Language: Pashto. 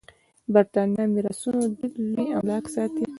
برېتانيه میراثونو دود لوی املاک ساتي.